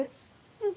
うん。